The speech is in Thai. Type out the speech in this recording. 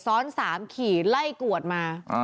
ซ้อน๓ขี่ไล่กวดมา